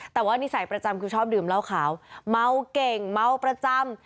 แต่ว่านิสัยประจำคือชอบดื่มเหล้าขาวเมาเก่งเมาประจำ